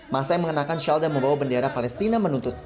masa yang mengenakan shalda membawa bendera palestina menuntut